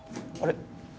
あれ？